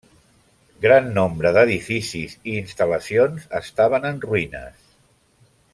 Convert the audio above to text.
Gran nombre d'edificis i instal·lacions estaven en ruïnes.